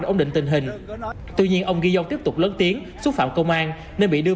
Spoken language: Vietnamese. ổn định tình hình tuy nhiên ông giyon tiếp tục lớn tiếng xúc phạm công an nên bị đưa